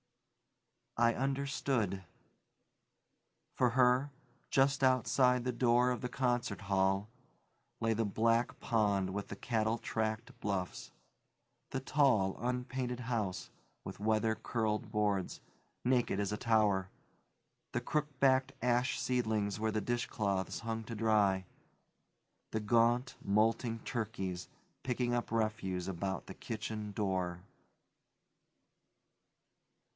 I understood. For her, just outside the door of the concert hall, lay the black pond with the cattle tracked bluffs; the tall, unpainted house, with weather curled boards; naked as a tower, the crook backed ash seedlings where the dishcloths hung to dry; the gaunt, molting turkeys picking up refuse about the kitchen door.